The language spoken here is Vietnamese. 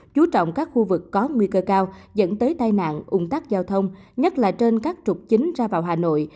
chú trọng các khu vực có nguy cơ cao dẫn tới tai nạn ung tắc giao thông nhất là trên các trục chính ra vào hà nội